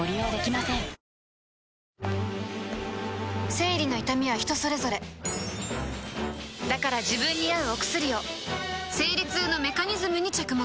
生理の痛みは人それぞれだから自分に合うお薬を生理痛のメカニズムに着目